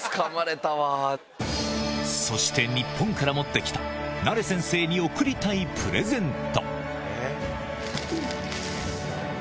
そして日本から持ってきた、ナレ先生に贈りたいプレゼント。